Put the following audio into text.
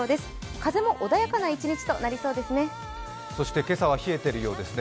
風も穏やかな一日となりそうですね。